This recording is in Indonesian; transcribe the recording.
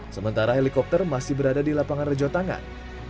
sementara helikopter masih berada di lapangan rejotangan